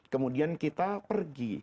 kemudian kita pergi